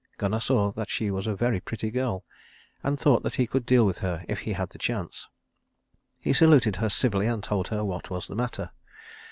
Gunnar saw that she was a very pretty girl, and thought that he could deal with her if he had the chance. He saluted her civilly and told her what was the matter.